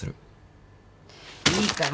いいから。